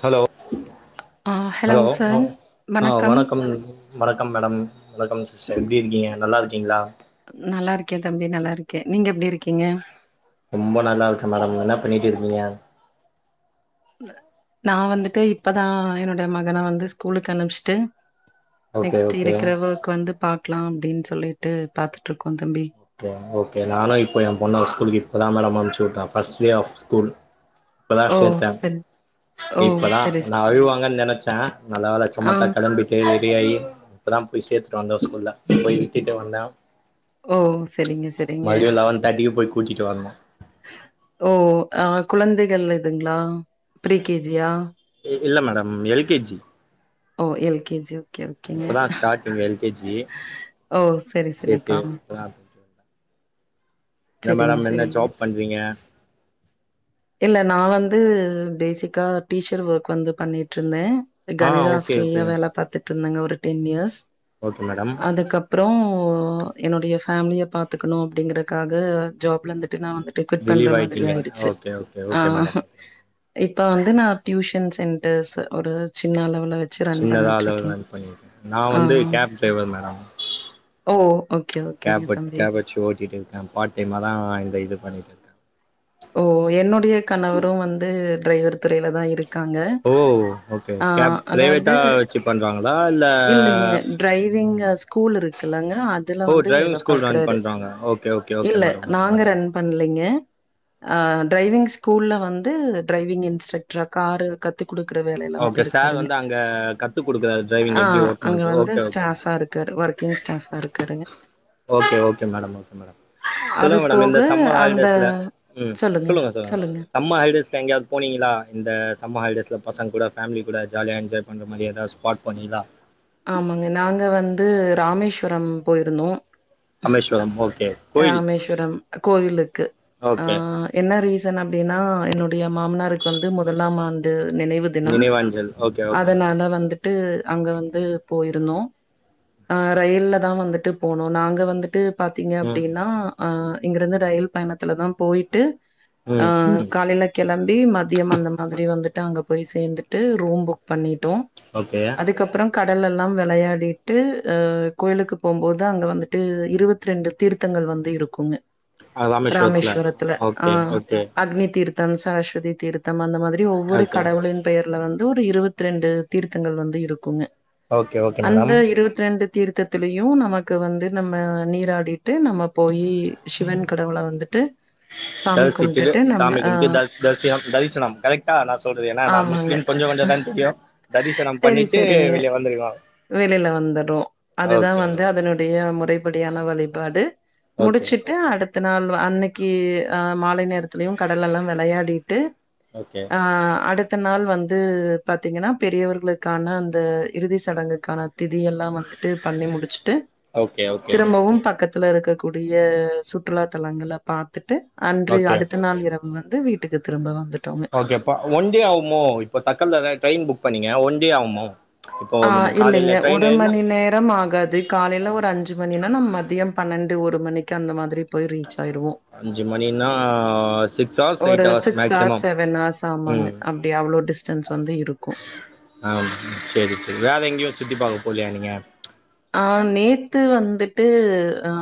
Hello ஆ hello sir ஆஹ் வணக்கம் வணக்கம் மேடம் வணக்கம் சிஸ்டர் எப்டி இருக்கீங்க நல்லா இருக்கீங்களா நல்லா இருக்கேன் தம்பி நல்லா இருக்கேன் நீங்க எப்படி இருக் ரொம்ப நல்லா இருக்க மேடம் என்ன பண்ணி ட்டு இருக்கீங்க நான் வந்துட்டு இப்பதான் என்னோட மகனை வந்து ஸ்கூலுக்கு அனுபிச்சுட்டு ஓகே நெக்ஸ்ட் ஓகே இருக்கிறவுக்கு வந்து பா லாம் அப்படின்னு சொல்லிட்டு பாார்த்தட்டு இருக்கோம் தம்பி ஓகே ஓகே நானும் இப்போ என் பொண்ணா ஸ்கூலுக்கு இப்பதா மேம் அனுப்ச்சு விட்டன் ஃபஸ்ட் டே ஆஃப் ஸ்கூல் இப்பதான் ஓ சேர்த்தேன் சரி ஓ இப்பதான் சரி நான் சரிங்க அழுவாங்கன்னு நினைச்சேன் நல்ல வேலை ஆ சமத்தா கிளம்பிட்டே ரெடி ஆகி இப்போதா போய் சேத்துட்டு வந்தோம் போய் த்திட்டு வந்தா ஓ சரிங்க சரிங்க கூட்டிட்டு வரணம் ஓ அஹ் குழந்தைகள் இதுங்களா ப்ரீ கேஜியா இல்ல மேடம் எல் கே ஜி ஓ எல் கே ஜி ஓ இப்பதாம் ஸ்டாட்டிங் எல் கே ஜி ஓ சரி சேத்து சரிப்பா இப்ப என்ன சரிங்க மேடம் என்ன சரிங்க ஜாப் பண்றீங்க இல்ல நான் வந்து பேசிக்கா டீச்சர் ஒர்க் வந்து பண்ணிட்டு இருந்தேன் ஆ கணிதா ஓகே ஓகே ஆசிரியா வேலை பார்த்து திண்ணங்க ஒரு டென் இயர்ஸ் ஓகே மேடம் அப்புறோ என்னுடைய ஃபேமிலிய பாத்துக்கணு அப்படிங்கறக்காக ஜாப்ல இருந்து டு நா வந்துட்டு குவிட் பண்ற ரிலீவ் ஆயிட்டீங்க மாதிரியாருச்சு ஓகே ஓகே ஆ ஓகே மேடம் இப்ப வந்து நா டியு டூசன் சென்டர்ஸ் ஒரு சின்ன அளவு சின்னதா அளவுளா பண்ணிருக்கே நா ஆ வந்து கேப் டிரைவர் மேடம் ஓ ஓக் கேப் கேப்பச்சு ஓட்டிட்டு இருக்கே பார்ட்டைமா தா இந்த இது பண்ணிட்டு இருக்கே ஓ என்னுடைய கணவரு வந்து டிரைவர் துறையில தா இருக் ஓ ஓகே கேப் அதாவது பிரைவேட்டா வச்சு பண்றாங்களா இல்ல விங்கஸ் கூல் இருக்குலங்க அதுல ஓ வந்து வேல டிரைவிங் ஸ்கூல் ரன் பாக்கறாரு பண்றாங்க ஓகே ஓகே ஓகே இல்ல மேடம் ஓகே நாங்க மேடம் ரன் பண்ணலீங்க ஆ டிரைவிங் ஸ்கூல்ல வந்து டிரைவிங் இன்ஸ்ட்ரக்ட்ரா காரு கத்து குடுக்குற வேலையால வந்து ஓகே சார் இருக்காருங்க வந்து அங்க கத்து குடுக்குறாரு டிரைவிங் ஆ எப்டி அங்க ஓட்டணுன்ட்டு வந்து ஓகே ஓகே ஸ்டாபா இருக்காரு ஒர்க்கிங் ஸ்டாபா இருக்காருங்க okay okay madam okay madam அது சொல்லுங்க மேடம் போக இந்த சம்மர் அந்த ஹாலிடேஸ்ல ம் சொல்லுங்க சொல்லுங்க சம்மா ஹலிடேஸ்ல எங்கயாவது போனீங்களா இந்த சம்மர் ஹாலிடேஸ்ல பசங்க கூட பேமிலி கூட ஜாலியா என்ஜாய் பண்ற மாரி எதாவது ஸ்பார்ட் போனீங்கலா ஆமாங்க நாங்க வந்து ராமேஸ்வரம் போயிருந்தோ ராமேஸ்வரம் ஓகே கோயில் ராமேஸ்வரம் கோவிலுக்கு ஆ ஓகே என்ன ரீச சன் அப்படின்னா என்னுடைய மாமனாருக்கு வந்து முதலாம் ஆண்டு நினைவு தினம் நினைவாஞ்சல் ஓகே ஓகே மேடம் அதனால வந்துட் விட்டு அங்க வந்து ந்து போயிருந்தோ ஆ ரயில்ல தா வந்துட்டு போனோ நாங்க வந்துட்டு பாத்தீங்க ம் அப்படின்னா ஆ இங்கிருந்து ரயில் பயணத்துல தா போய்ட்டு ஆ ம் ம் காலைல கெளம் அப்டி மதியம் அந்த மாதிரி வந்துட்டு அங்க போய் சேந்துட்டு ரூம் புக் பண்ணிட் ட்டோ ஓகே அதுக்கப்புறோ கடல் எல்லா விளையாடிட்டு அ கோயிலுக்கு போம்போது அங்க வந்துட்டு இருவத்து ரெண்டு தீர்த்தங்கள் வந்து இருக்குங்க ராமேஸ்வரத்துல ஆ ஓகே ஓகே அக்னி தீர்த் தம் சரஷ்வதி தீர்த்தம் அந்த மா திரி ஒவ்வொரு ஓகே கடவுளின் பெயர்ல வந்து லுடு இருவத்து ரெண்டு தீர்த்தங்கள் வந்து இருக்குங்க ஓகே ஓகே அந்த மேடம் இருவத்து ரெண்டு தீர்த்ததிலயு நமக்கு வந்து நம்ம நீராடிட்டு நம்ம போயி சிவன் கடவுள வந்துட்டு சாமி தரிசிட்டு கும்ட்டுட்டு நம்ம சாமி அ கும்டு தரி தரிசோயம் தரிசனம் கரெக்டா நான் சொல்றது ஏன நா ஆமாங்க. முஸ்லீம் கொஞ்சம் கொஞ்சம் தான் தெரியு தரிசனம் சரி, பண்ணிட்டு சரிங்க. வெளிய வந்துருக்கோ வெளில வந்துடும் அதுதான் ஓகே வந்து ஓகே அதனுடைய முறைப்படியான வழிபாடு ஓகே முடிச்சுட்டு அடுத்து த்த நாள் அன்னைக்கு மாலை நேரத்து தியு கடலெல்லா விளையாடி ட்டு ஓகே அஹ் அடு இத்தன நாள் வந்து பாத்தீங்கன்னா பெரியவர்களுக்கான அந்த இறுதி சடங்க்குகாண திதி யல்லா வந்துட்டு பண்ணி முடிச்சுட்டு ஓகே ஓகே திரும்பவும் பக்கத் இதுல இருக்ககூடிய சுற்றுலா தலங்கள பாத்துட்டு அன்று ஓகே அடுத்த நாள் இரவு வந்து வீட்டுக்கு திரும்ப வந்து ஓகேப்பா ஒன் டே ஆகுமோ இப்ப தக்கல தான் ட்ரெயின் புக் இப்ப நீங்க ஒண்டியே ஆகுமோ இப்போ ஆ காலையில இல்லைங்க ட்ரெயின் ஒரு ஏறுனா மணி நேரம் ஆகாது காலையில ஒரு அஞ்சு மணினா நம் மதியம் பண்ணெடு ஒரு மணிக்கு அந்த மாதிரி போய் ரீச் ஆயிருவோம் அஞ்சு மணினா சிக்ஸ் ஹார்ஸ் ஒரு eight hours six hours maximum seven hours ஆமாங்க ம் அப்படி அவ்ளோ டிஸ்டன்ஸ் வந்து இருக்கும் ஆ சேரி வேற எங்கையு சுத்தி பாக்க போலயா நீங்க ஆ நேத்து வந்து டு ஆ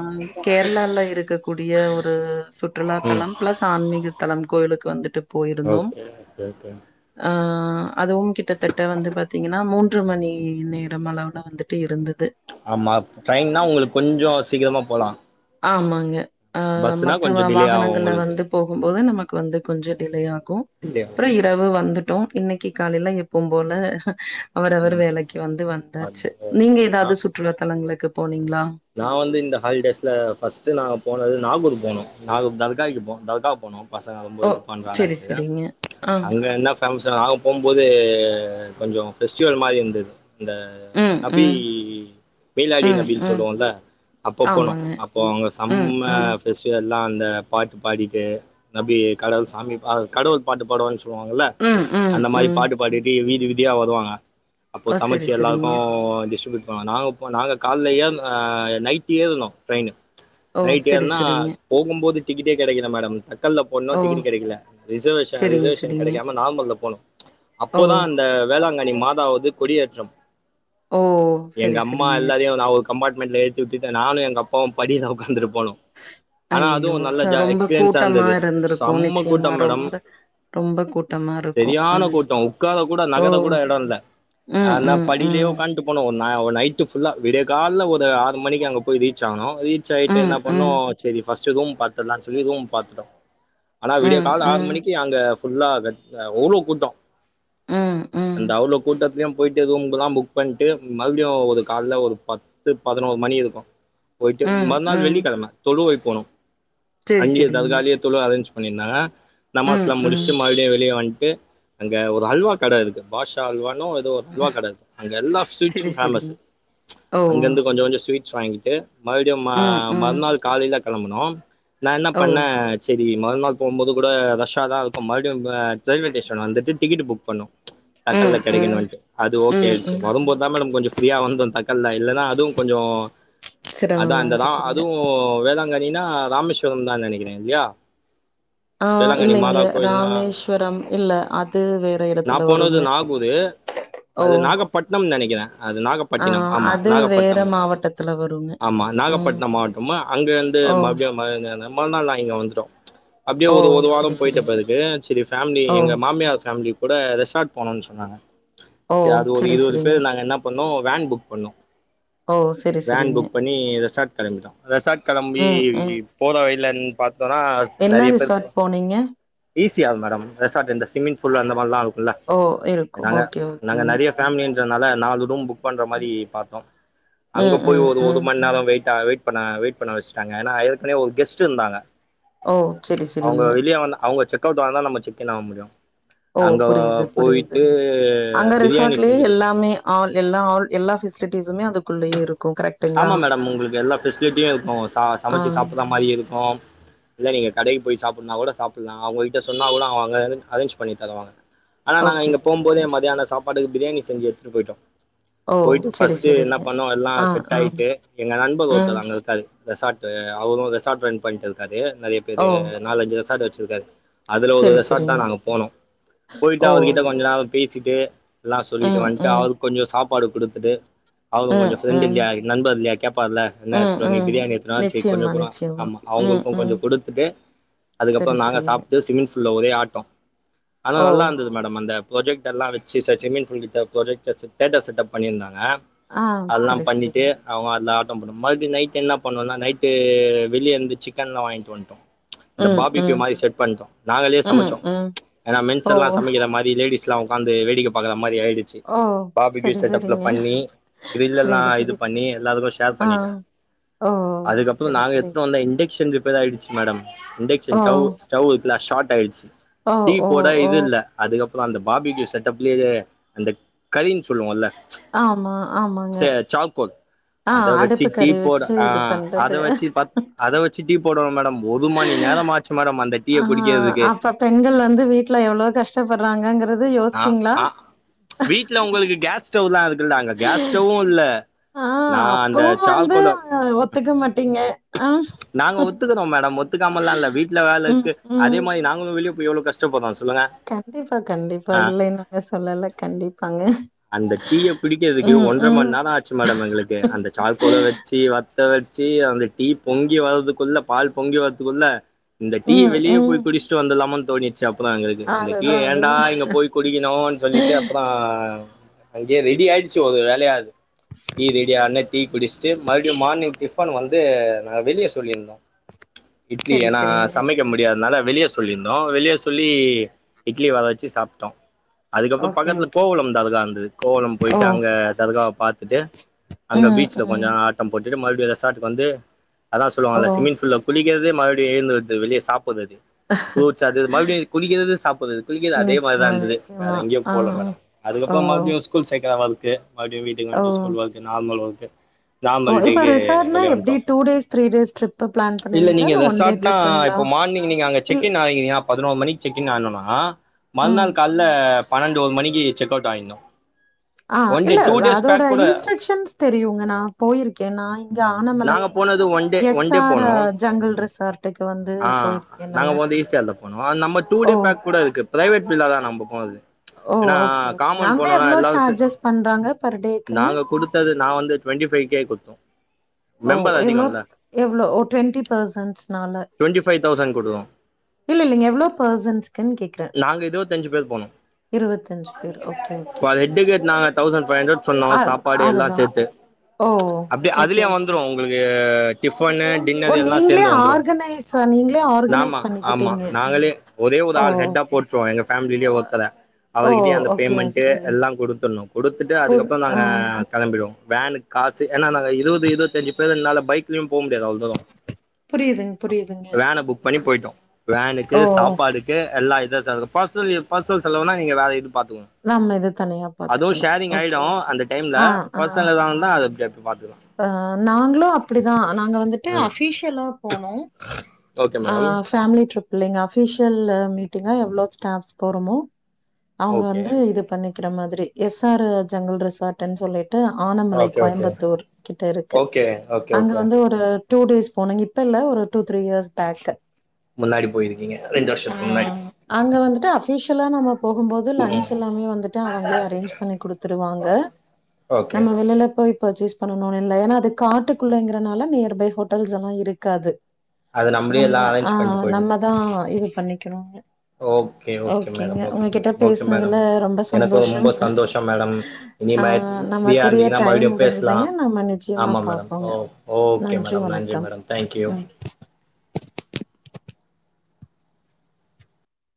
கேரளால இருக்க கூடிய ஒரு சுற்றுலா ம் தலம் பிளஸ் ஆன்மீக தலம் கோயிலுக்கு வந்துட்டு கோ போயிருந்தோம் ஓகே ஓகே ஓகே ஆ அதுவும் கிட்டத்தட்ட வந்து பாத்தீங்கன்னா மூன்று மணி நேரம் அளவுல வந்துட்டு இருந்தது ஆமா ட்ரெயின்னா உங்களுக்கு கொஞ்சோ சீக்கிரமா போலாம் ஆமாங்க ஆ மத்த கொஞ்சோ டிலே ஆகு வாகனங்கள்ல உங்களுக்கு வந்து போகும்போது நமக்கு வந்து கொஞ்சோ டிலே ஆகும் டிலே ஆகு ப்புறம் இரவு வந்து டோ இன்னைக்கு காலையில எப்போவும் போல அவர் அவர் ம் வேலைக்கு வந்து வந்தாச்சு ஓகே நீங்க ஏதாவது ஆ சுற்றுலா தலங்களுக்கு போனிங் நா வந்து இந்த ஹாலிடேஸ்ல ஃபஸ்ட்டு நாங்க போனது நாகூர் போனோம் நாகூர் தற்கா இருக்கும் தற்கா போனோ பசங்க ரொம்ப ஓ! இது சரி, பண்றாங்கன்ட்டு சரிங்க. ஆ. அங்கே என்ன ஃபேமஸ்னா போம்போது கொஞ்சம் ஃபெஸ்டிவல் மாரி இருந்தது இந்த ம், நபி ம், மிலாடி ம், நபி ம். சொல்லுவோல்ல அப்ப போனும் ஆமாங்க. அப்போ அவுங்க ம், சம்ம ம், ஃபெஸ்டிவல் எல்லா அந்த பாட்டு பாடிட்டே நம்பி கடவுள் சாமி பா கடவுள் பாட்டு பாடுவா சொல்லி போவாங்கல ம், ம், அந்த மாரி ம். பாட்டு பாடிட்டே வீட் ச்திரிவித்யா வருவாங்க அப்ப ஓ! சமைச்சு சரி, சரிங்க. எல்லாருக்கும் டிஸ்ட்ரிபியூட் அப்ப நாங்கப்போ நாங்க கால்ல ஏர்ன ஆ நைட்டு ஏரனும் ட்ரெயின் ஓ! நைட்டு சரி, ஏர்னா சரிங்க. போகும்போது டிக்கேட்டே கடைக்கல‌ மேடம் த க்கல்‌ போடனு ஓ! டிக்கெட்டு ‌கெடைக்கல ரிசர்வேஷன் சரிங்க, ரிசர்வேஷன் சரிங்க. கெடைக்காம நார்மல்ல‌ போனோ அப்ப தா ஓ! அந்த வேளாங்கண்ணி மா வது கொடியேற்றம் ஓ எங்க செரி அம்மா செரிங்க எல்லாரையும் நான் ஒரு கம்பார்ட்மெண்ட்ல ஏத்தி விட்டுட்டு நானு எங்க அப்பாவு படில ஒக்காந்துரு போனோ ஆனா ஐயயோ அதுவு நல்ல ச ஜா ரொம்ப எக்ஸ்பிரியன்ஸ்ஸா கூட்டமா இருந்தது இருந்திருக்கு சம்ம நிச்சயமா கூட்டம் மேடம் ரொம்ப ரொம்ப கூட்டமா இருக்கு செரியான அது கூட்டோ உக்கார கூட ஓ நகர கூட எடோ இல்ல ம் ஆனா ம் படியிலே ம் உக்கான்ட்டு போனோ ஆ ஒரு நைட்டு ஃபுல்லா விடிய கால்ல ஒரு ஆறு மணிக்கு அங்க போய் ரீச் ஆணோ ரீச் ஆயிட்டு ம் என்ன பண்ணோ ம் செரி ஃபர்ஸ்டு ரூம் பாத்துட்லானு சொல்லி ரூம் பாத்துட்டோ ஆனா ம் விடிய‌கால்ல ஆறு ம் மணிக்கு அங்க ஃபுல்லா க ஆ அவ்ளோ கூட்டோ ம் அந்த ம் அவ்ளோ கூட்டத்லயு போய்ட்டு ரூமுங்கெலா புக் பண்ட்டு மறுப்டியு ஒரு கால்ல ஒரு பத்து பதினொரு மணி இருக்கு போய்ட்டு ம் மறுநாள் ம் வெள்ளிக்கிழம தொழுவ போனோ சரி அங்கயே சரிங்க தர்காலயே தொழுக அரேஞ் பண்ணிந்நா ம் நமாஸ்லா ம் முடிச்சுட்டு மறுப்டியும் வெளியே வந் ட்டு அங்க ஒரு அல்வா கட இருக்கு பாஷா அல்வா ஏதோ ஒரு அல்வா கட இருக்கு அங்க எல்லா சரி ஸ்வீட்ஸும் ஃவமஸ் சரிங்க ஓ அங்கெந்து கொஞ்ச கொஞ்சோ ஸ்வீட் ஸ் வாங்கிட்டு மறுப்டியு ம ம் ம் மறுநாள் காலைல கெளம்புனோ நா என்ன ஓ பண்ணே செ மறுநாள் போம்போது கூட ரஷ்ஷா தா இருக்கு மறுப்டியு ஆஹ் ட்ரயில்வே ஸ்டேஷன் வந்துட்டு டிக்கெட் புக் பண்ணோ தக்கல்ல ம் ம் கெடைக்கணுன்ட்டு அது ம் ஓகேயாயிடுச்சு ம் வரும் போது தா மேடம் கொஞ்சோ ஃப்ரீயா வந்தோ த நல்லா இல்ல அதுவு கொஞ்சோ அதா சிரமமா அங்கதா இருக்குங்க அதுவு வேளாங் கண்ணினா ராமேஸ்வரோ தா நெனைக்கிறே இல்லையா ஆ வேளாங்கண்ணி இல்லைங்க மாதா கோயில்னா ராமேஸ்வரம் இல்ல அது வேற நான் இடத்துல போனது வருமே நாகூர் ஓ கிர அது ஆ நாகப்பட்டினம் ஆமா அது நாகப்பட் வேற ம் மாவட்டத்துல வருங்க ஆமா ம் நாகப்பட்டினம் மாவட்டமா அங்க வந்து ஓ மறுபடியு ம ந தன மறுநாள் நான் இங்க வந்துடோ அப்டியே ஓ ஒரு ஒரு செரி வாரம் போய்ட்ட செரிங்க பிறகு சேரி ஃபேம்லி ஓ எங்க மாமியார் ஃபேம்லி கூட அ ரேஸ்டார் போனன்னு சொன்னாங்க ஓ சேர் அது ஒரு செரி இருவது செரிங்க பேர் நாங்க என்ன பண்ணோ வேன் புக் பண்ணோ ஓ செரி வேன் செரிங்க புக் பண்ணி ரெசார்ட் கிளம்பிட்டோ ரெசார்ட் கிளம்பி ம் ம் போற பைலந் பாத் என்ன ரிசார்ட் போனீங்க இசியால் மேடம் ரெஸ்சார்ட் இந்த சும்மிங் ஃபுல்லா அந்த மாரியெல்லா இரு இல்ல ஓ இருக்கு நாங்க ஓகே நாங்க ஓகேங்க நிறைய பேமிலி த்த நால நாலு ரூம் புக் பண்ற மாரி பார்த்தோ அங்க ம் போய் ம் ஒரு ஒரு ம் மணி நேரம் வெயிப் டா வெயிட் பண்ண வெயிட் பண்ண வச்சுட்டாங்க ஏன்னா ஏற்கன ஒரு கெஸ்ட் இருந்தாங்க ஓ சேரி அவங்க சேரிங்க வெளியே வந்து அவங்க செக் அவுட் வந்தா நம் செகின் ஆவ முடியும் ஓ புரியுது புரியுது அங்க பிரியாணி ரிசார்ட்லயே செஞ்சுட்டு போனோ எல்லாமே ஆள் எல்லா ஆள் எல்லா பெஃசிலிட்டிஸ் துமே அதுக்குள்ளேயே இருக் ஆமா மேடம் உங்களுக்கு எல்லா பெஃபசிலிட்டியு இருக்கு ச ஆ சமைச்சு சாப்பிறா மாரி இருக்கு இல்ல நீங்க கடைக்கு போய் சாப்பிடனா கூட சாப்பிடலாம் அவங்ககிட்ட சொன்னா கூட அவங்க அங் அரேஞ்ச் பண்ணி தருவாங்க ஆனா நாங்க ஓகே இங்க போம் போதே ஓகேங்க மதியியான சாப்பாடுக்கு பிரியாணி செஞ்சு எடுத்துட்டு போய்ட்டோ ஓ போயிட்டு செரி ஃபஸ்ட்டு என்ன செரிங்க பண்ணோ எல்லா ஆ செட் ஆ ட்டாய்ட்டு எங்க நண்பர் ம் ஒருத்தர் அங்க இருக்காரு ரெசார்ட்டு அவரு ரெசார்ட் ரன் பண்ணிட்ருக்காரு நிறைய ஓ பேரு நாலஞ்சு ரெசார்ட் ச்சுருக்காரு அதுல ஒரு செரி ரெசார்ட் தா செரிங்க நாங்க போனோ போயிட்டு ஓ அவருகிட்ட கொஞ்ச நேரோ பேசிட்டு எல்லா சொல்லிட்டு ம் வந்ட்டு ம் அவருக் கொஞ்சம் சாப் ப்பாடு குடுத்துட்டு அவங்க கொஞ்ச ம் ஃப்ரண்டு ம் இல்லயா ல்லயா கேப் போல்ல என்ன ம் எடுத்துட்டு வந்தீங்க ம் பிரியாணி எடுத்ட்டு வந்தா செரி கொஞ்ச நிச்சயமா குட்றா நிச்சயமா ஆமா ம் அவங்களுக்கு கொஞ்சோ ம் கொடுத்துட்டு சரி அதுக்கப்புறம் நாங்க சரிங்க. சாப்ட்டு சிம்மிங் ஃபுல்ல ஒரே ஆட்டோ ஆனா ஓ! நல்லா இருந்தது மேடம் அந்த ப்ராஜெக்ட்டர்லா வச்சி ச ஸ்ம்மிங் ஃபுல் கிட்ட ப்ராஜெக்ட்டர் செட் தேட்டர் செட்டப் பண்ணியிருந்தாங்க ஆ சரி சரிங்க நல்லா ஆட்டம் போட்டோம் மறுபடி நைட்டு என்ன பண்ணுவோனா நைட்டு வெளிய இருந்து சிக்கன்லா வாங்கிட்டு வந்ட்டோம் இந்த ம் பாபிக்யூ ம் மாரி செட் பண்ட்டோ நாங்களே ம் சமச்சோ ம். ஏன்னா மென்ஸ் ஓ! எல்லா சமைக்கிற மாரி லேடிஸ்லா உக்காந்து வேடிக்க பாக்குற மாரி ஆயிடுச்சி ஓ! பார்பிக்யூ சரி செட்டப்ல சரிங்க. பண்ணி கிரில்லெல்லா புரியுது இது புரியுது. பண்ணி எல்லாத்துக்கோ ஷேர் ஆ. பண்ணிட்டோ ஓ! அதுக்கப்பறோ சரி நாங்க சரி. எத்துனு வந்த இன்டக்க்ஷன் ரிப்பேராயிடுச்சி மேடம் இன்டக்க்ஷன் ஓ! டவு ஸ்டவ் ஃபுல்லா ஷாட் ஆயிடுச்சி ஓ! டீ ஓ! போட ஓ! இது இல்லா அதுக்கப் தா அந்த பார்பிக்யூ செட்டப்லேயே அந்த கரின் சொல்லுவோலே ஆமா ஆமாங்க கோ ஆ அத வெச்சு அடுப்பு டீ கறி போட வச்சு ஆ இது பண்றது. அத வெச்சு பத் அத வெச்சு டீ போட்டுவோ மேடம் ஒரு மணி நேரம் ஆச்சு மேடம் அந்த டீய ஆ குடிக்கிறதுக்கு அப்ப பெண்கள் வந்து வீட்ல எவ்ளோ கஷ்டப்பட்றாங்கங்கிறது ஆ ஆ ச்ச வீட்ல உங்களுக்கு கேஸ் ஸ்டவ்லா இரு தில்டா அங்க கேஸ் ஸ்டவ்வுல்ல ஆ நான் அந்த அப்பவும் சால் வந்து கோல அ ஒத்துக்க மாட்டீங்க. ஆ நாங்க ஒத்துக்கறோ மேடம் ஒத்துக்காமல்லா இல்ல வீட்ல ம், வேலக்கு ம். அதே மாரி நாங்களும் வெளிய இப்ப எவ்ளோ கஷ்டப்படறோ சொல்லுங்க கண்டிப்பா, கண்டிப்பா. ஆஹ் இல்லைன்னாங்க சொல்லல. கண்டிப்பாங்க. அந்த தீய புடிக்கிறதுக்கு ம், ஒன்ற மண் ம். நேரம் ஆச்சு மேடம் எங்களுக்கு அந்த சார்கோல வச்சி த்த வச்சு அந்த டீப் பொங்கி வரதுக்குள்ள பால் பொங்கி வரதுக்குள்ள இந்த டீ ம், வெளியே ம். போய் குடிச்சிட்டு வந்தரலாமோன் தோனி ச்சி அப்பறோ எங்களுக்கு இந்த டீய அதுதான், ஏண்டா அதுதான். இங்க போய் குடிக்கணும்னு சொல்லிட்டு அப்பறோ அங்கே ரெடி ஆயிடுச்சு ஒரு வேலையாது டீ ரெடியான்னா டீ குடிச்சுட்டு மறுபடியு மார்னிங் டிஃபன் வந்து நா வெளிய சொல்லியிருந்த இட்லி சரி, ஏனா சரிங்க. சமைக்க முடியாதுனால வெளியே சொல்லியிருந்தோ வெளிய சொல்லி இட்லி வர வெச்சு சாப்ட்டோ அதுக்கப்புறொ ஓகே, பக்கத்துல ஓகேங்க. கோவலம் தர்கா இருந்துது கோவலம் ஓ! போயிட்டு அங்க தர்காவ பாத்துட்டு அங்க ம், பீச்ல ம். கொஞ்சோ ஆட்டம் போட் [unintelligible] மறுபடியு ரெஸாட்டுக்கு வந்து அதா ஓ! சொல்வாங்ல ஸிம்மிங் ஃபுல்ல குளி கிறது மறுடியு எழுந்து வெளிய சாப் [unintelligible] ஃப்ரூட்ஸ் அது இது மறுபடியு குளிக்கிறது சாப்புர்றது குளிக்கி அதே மாரி தா நிச்சயமா, இந்துது. வேற நிச்சயமா. எங்கயு ஆ. போல மைடம் ஓ! அதுக்கப்றோ மறுபடியு ஸகூல் சேக்கிற மாரி கு மறுபடியு வீட்டுக்கு ஓ! வந்ட்டு ஸ்கூல் வாழ்க நார்மல் எ ஓ இப்ப ரெஸார்ட்னா எப்டி டூ டேஸ் த்ரீ இல்ல நிங்க ரெசார்ட்னா ட்ரிப்புங்களா? இப்போ மார்னிங் நீங்க அங்க இல் செக்கின் ஆகிரிங்க அ பதினொர் மணிக்கு செக்கின் ஆணோனா ம். மறுநாள் கால்ல பன்னெண்டு ஒரு மணிக்கு செக் அவுட் ஆயிருந்தோ ஆஹ் இல்ல அதோட இன்ஸ்ட்ரக்ஷன்ஸ் தெரியுங்க நா போயிருக்கே நா இங்க ஆனமலை நாங்க போனது ஒன் ஒன் டே எஸ்ஆர் போனோ ஜங்கிள் ரிசார்ட்டுக்கு வந்து ஆ போயிருக்கேன் நாங்க நானு. போனது ஈஸியா அதுல போணோ அ நம்ம டூ ஓ! டே பேக் கூட இருக்கு பிரைவெட் வில்லா தா நம்ப போனது ஓ ஏன்னா ஓகே ஓகேங் காமன் அங்க போனோம்னா எவ்ளோ எல்லாரும் சே சார்ஜஸ் பண்றாங்க பர் டேக்குங்க நா வந்து டொன்டி ஃப கே கொடுத்தோ ஓ! எவ்ளோ மெம்பரதிகோல்ல எவ்ளோ ட்வெண்டி பர்ஸன்ஸ்னால டுவெண்ட்டி ஃபைவ் தௌசண்ட் குடுத்தோம் இல் இல்லீங் எவ்ளோ பர்ஸன்ஸுகுன் கேக்குறங் நாங்க இருவத்தஞ்சு பேர் போனோம் இருவத்தஞ்சு பேர் ஓகே ஓகே பர் ஹெட்டுக்கு நாங்க தௌஸண்ட் ஃபைவ் ஹண்டர்ட் சொன்ன அ சாப்பாடு எல்லா அதுதான். சேத்து ஓ! அப்டி ஓகே, அதுலயே ஓகே. வந்ரு உங்களுக் ஆ ஃடிபன்னு ஓ! டின்னர் எல்லா நீங்களே சேந்து வந்துரு ஆர்கனைஸ் நீங்களே ஆமா ஆர்கனைஸ் ஆமா பண்ணிக்கிட்டீங்க. நாங்களே ஒரே ஒரு ஓ! ஆள் ஹெட்டா போட்டுருவோ எங்க ஃபேமிலயே ஒருத்தர ஓ! அவருக்கிட்டயே அந்த ஓகே, பேமெண்ட்டு ஓகே. எல்லா குடுத்துட்ணு குடுத்துட்டு கூல் அதுக்கப்புறோ நாங்க ஆ. கெளம்பிடுவோ வேனுக் காஸ் ஏனா நாங்க இருவது இருவத்தஞ்சு பேர்னால பைக் போ முடியாது அவ்ள தூரோ புரியுதுங் புரியுதுங்க. வேன புக் பண்ணி போயிட்டோ வேனுக்கு ஓ ஸாப்பாடுக்கு எல்லா [unintelligible] பர்ஸ்னல் பர்ஸனல் செலவ்னா நீங் வேற இதுப் பாார்த்தக்கோ நம்ம இது தனியா அதுவும் பாத்துக்கணு ஷேரிங் ஓகே ஆயிடும் ஓகே. அந்த டைம்ல பர்சனல்ல எதவந்த அஹ் நாங்களு அப்டிதான் நாங்க வந்துட்டு ம் அபிஷியலா போனு ஓகே அ மேடம் பேமிலி ட்ரிப் இல்லைங்கா அபிஷியல் மீட்டிங்கா எவ்வளோ ஸ்டாப்ஸ் போறமோ அவங்க ஓகே வந்து இது பண்ணி க்கிற மாதிரி எஸ் ஆர் ஜங்கல் ரிசார்ட்ன்னு சொல்லி ஆனமலை ஓகே ஓகே கோயம்புத்தூர் இருக்கு ஓகே ஓகே அங்க ஓகே வந்து ஒரு டூ டேஸ் போனுங்க இப்ப இல்ல ஒரு டூ த்ரீ இயர்ஸ் பேக்கு முன்னாடி போயிருக்கீங்க ரெண்டு வருஷத்துக்கு முன்னாடி யுஷ்லா நம்ம போகும்போது லன்ச் ம் எல்லாமே வந்துட்டு அவங்களே அரேஞ்ச் பண்ணி கொடுத்துருவாங்க ஓகே நம்ம வெளில போய் பச்சீஸ் பண்ணணும்னு இல்ல ஏன்னா அது காட்டுக்குள்ளங்கறனால நியர்பை ஹோட்டல்ஸ் எல்லாம் இருக்காது அது நம்மளே எல்லா நம்ம அரேஞ்ச் பண்ணிட்டு ஆஹ் போயிடணு நம்மதான் இதுக் பண்ணிக்கணு ஓகே ஓகே மேடம் ஓகே பேசினதுல மேடம் ரொம்ப எனக்கும் சந்தோஷம். ரொம்ப சந்தோஷம் மேடம் இனிமேல் ஃபீரியா இருந்தீங்கன்னா மறுபடியு பேசல ங்க நம்மா நிச்சயமா பாார்ப்போங்க ஓகே நன்றி மேடம் வணக்கம் மேடம் தேங்க்யூ